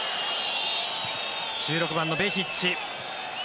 １６番のベヒッチ。